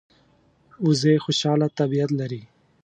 وزې خوشاله طبیعت لري